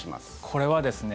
これはですね